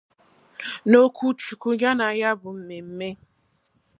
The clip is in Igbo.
N'okwuchukwu ya na ya bụ mmemme